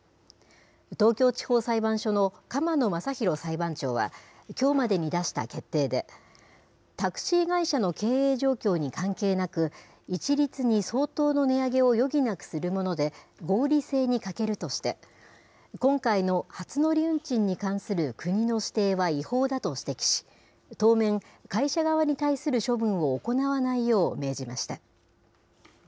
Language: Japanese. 東京地方裁判所の鎌野真敬裁判長はきょうまでに出した決定で、タクシー会社の経営状況に関係なく、一律に相当の値上げを余儀なくするもので、合理性に欠けるとして、今回の初乗り運賃に関する国の指定は違法だと指摘し、当面、会社側に対する処分を行わないよう命じました。